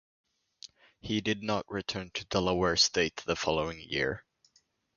He did not return to Delaware State the following year.